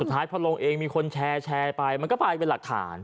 ท้ายพอลงเองมีคนแชร์ไปมันก็ไปเป็นหลักฐาน